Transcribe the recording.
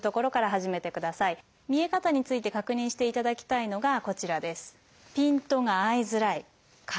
見え方について確認していただきたいのがこちらです。